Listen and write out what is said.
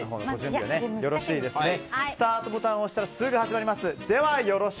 スタートボタンを押したらすぐ始まります。